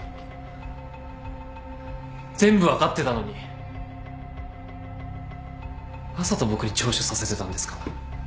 全部分かってたのにわざと僕に聴取させてたんですか？